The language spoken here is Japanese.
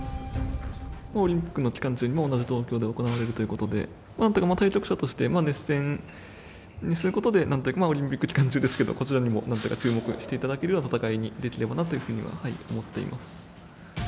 オリンピックの期間中も同じ東京で行われるということで、なんとか対局者として熱戦にすることで、なんというか、オリンピック期間中ですけれども、こちらにもなんとか注目していただけるような戦いにできればなというふうに思っています。